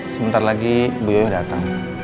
sebentar lagi bu yoyo datang